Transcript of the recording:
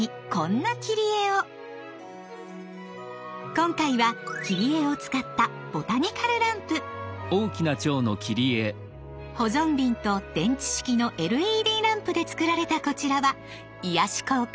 今回は切り絵を使った保存瓶と電池式のＬＥＤランプで作られたこちらは癒やし効果抜群。